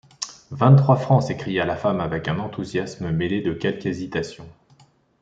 Vingt-trois francs! s’écria la femme avec un enthousiasme mêlé de quelque hésitation.